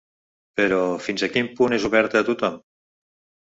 Però, fins a quin punt és oberta a tothom?